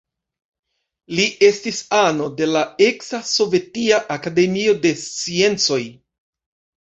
Li estis ano de la eksa Sovetia Akademio de Sciencoj.